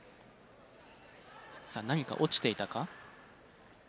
さあ何か落ちていたか？